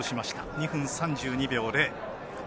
２分３２秒０。